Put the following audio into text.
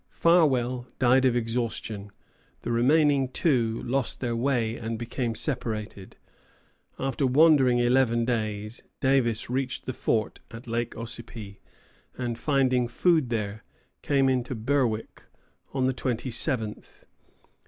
Farwell died of exhaustion. The remaining two lost their way and became separated. After wandering eleven days, Davis reached the fort at Lake Ossipee, and, finding food there, came into Berwick on the twenty seventh.